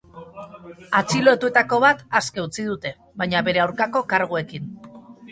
Atxilotuetako ba aske utzi dute, baina bere aurkako karguekin.